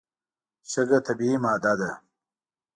شګه طبیعي ماده ده.